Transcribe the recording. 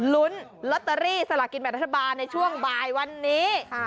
ลุ้นลอตเตอรี่สลากินแบบรัฐบาลในช่วงบ่ายวันนี้